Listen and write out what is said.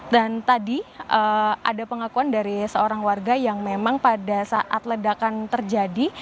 dan tadi ada pengakuan dari seorang warga yang memang pada saat ledakan terjadi